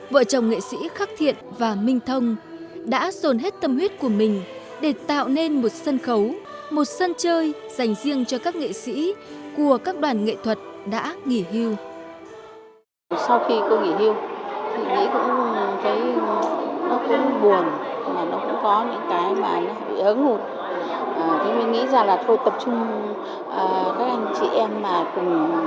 vợ chồng nghệ sĩ khắc thiện và minh thông đã dồn hết tâm huyết của mình để tạo nên một sân khấu một sân chơi dành riêng cho các nghệ sĩ của các đoàn nghệ thuật đã nghỉ hưu